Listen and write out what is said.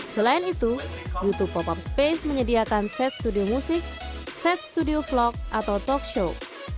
selain itu youtube pop up space menyediakan set studio musik set studio vlog atau talk show